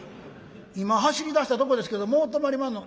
今走り出したとこですけどもう止まりまんの」。